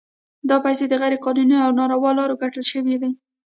دا پیسې د غیر قانوني او ناروا لارو ګټل شوي وي.